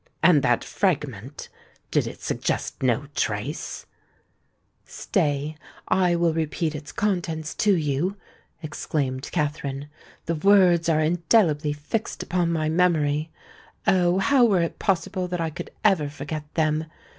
"And that fragment—did it suggest no trace—" "Stay—I will repeat its contents to you," exclaimed Katherine: "the words are indelibly fixed upon my memory——Oh! how were it possible that I could ever forget them?